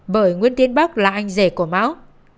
bởi nguyễn tiến bác là anh rể của mão